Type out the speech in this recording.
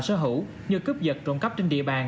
sở hữu như cướp dật trộn cắp trên địa bàn